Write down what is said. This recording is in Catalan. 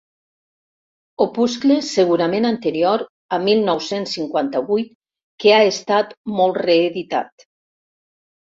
Opuscle segurament anterior a mil nou-cents cinquanta-vuit que ha estat molt reeditat.